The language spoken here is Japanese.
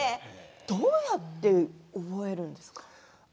どうやって覚えているんですか？